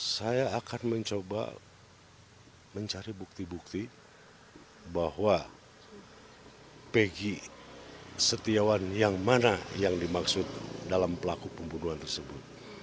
saya akan mencoba mencari bukti bukti bahwa pegi setiawan yang mana yang dimaksud dalam pelaku pembunuhan tersebut